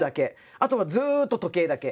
あとはずっと時計だけ。